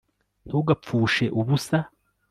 ntugapfushe ubusa